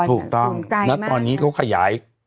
ถูกต้องณตอนนี้เขาขยาย